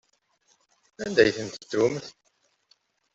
Anda ay ten-tettumt?